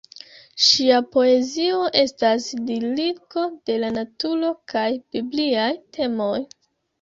Ŝia poezio estas liriko de la naturo kaj bibliaj temoj.